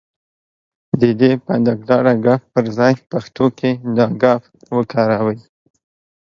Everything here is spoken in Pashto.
د دې ګ پر ځای پښتو کې دا گ وکاروئ.